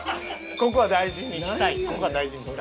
ここは大事にしたい。